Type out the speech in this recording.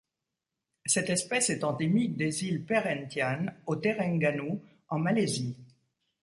Cette espèce est endémique des îles Perhentian au Terengganu en Malaisie.